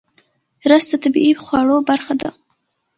رس د طبیعي خواړو برخه ده